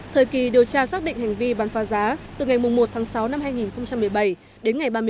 thời kỳ điều tra xác định hành vi bán pha giá từ ngày một sáu hai nghìn một mươi bảy đến ngày ba mươi một năm hai nghìn một mươi tám